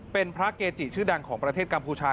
เป็นพระเกจิชื่อดังของประเทศกัมพูชา